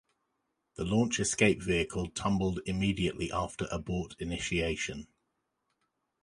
The launch escape vehicle tumbled immediately after abort initiation.